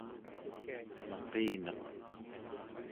Maqineq